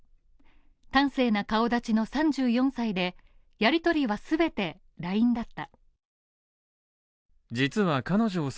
端正な顔立ちの３４歳でやりとりは全てＬＩＮＥだった。